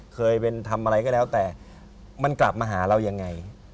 เคยเป็นทำอะไรก็แล้วแต่มันกลับมาหาเรายังไง